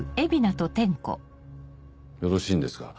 よろしいんですか？